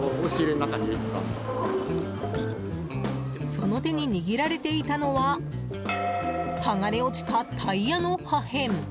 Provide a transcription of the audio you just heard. その手に握られていたのは剥がれ落ちたタイヤの破片。